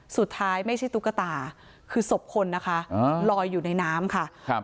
สุดท้ายไม่ใช่ตุ๊กตาคือศพคนนะคะลอยอยู่ในน้ำค่ะครับ